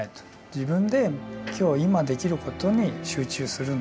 自分で今日今できることに集中するんだ。